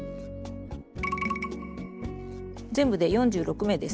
全部で４６目です。